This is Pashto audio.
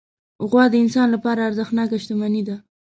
غوا د انسان لپاره ارزښتناکه شتمني ده.